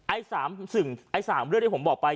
ไอ้๓เรื่องที่ผมบอกไป